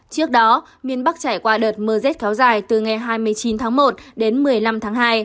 trước đó miền bắc trải qua đợt mưa rét kéo dài từ ngày hai mươi chín tháng một đến một mươi năm tháng hai